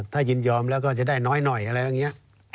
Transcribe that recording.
ถ้ายินยอมแล้วก็จะได้น้อยอะไรแบบนี้